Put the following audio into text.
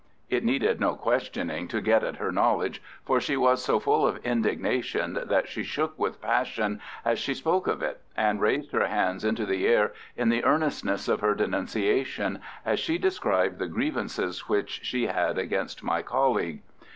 It needed no questioning to get at her knowledge, for she was so full of indignation that she shook with passion as she spoke of it, and raised her hands into the air in the earnestness of her denunciation, as she described the grievances which she had against my colleague.